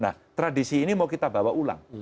nah tradisi ini mau kita bawa ulang